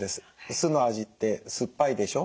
酢の味って酸っぱいでしょ。